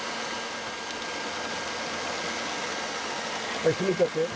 はい閉めちゃって。